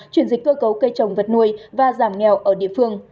chuyển dịch cơ cấu cây trồng vật nuôi và giảm nghèo ở địa phương